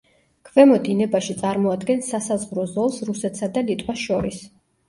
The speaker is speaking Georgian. ქვემო დინებაში წარმოადგენს სასაზღვრო ზოლს რუსეთსა და ლიტვას შორის.